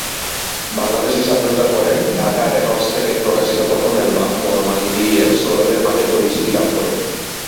বাংলাদেশের স্বাধীনতার পরে ঢাকা রেকর্ডস থেকে প্রকাশিত প্রথম অ্যালবাম 'বনমালী' দিয়ে শ্রোতাদের মাঝে পরিচিতি লাভ করেন।